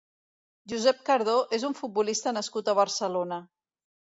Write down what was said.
Josep Cardó és un futbolista nascut a Barcelona.